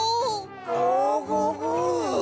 ゴゴゴ。